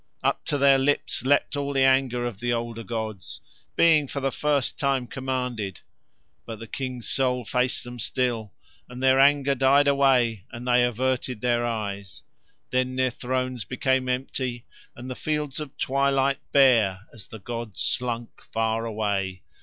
Up to Their lips leapt all the anger of the Older gods, being for the first time commanded, but the King's soul faced Them still, and Their anger died away and They averted Their eyes. Then Their thrones became empty, and the Fields of Twilight bare as the gods slunk far away.